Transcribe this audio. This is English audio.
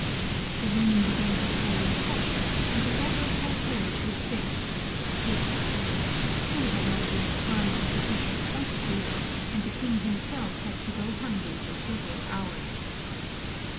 The rain began to fall in torrents, and the royal cortege was drenched to the skin. Food had not been supplied in sufficient quantities, and the king himself had to go hungry for several hours.